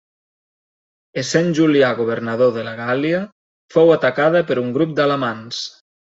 Essent Julià governador de la Gàl·lia fou atacada per un grup d'alamans.